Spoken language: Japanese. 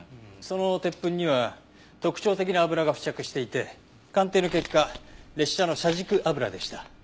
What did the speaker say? その鉄粉には特徴的な油が付着していて鑑定の結果列車の車軸油でした。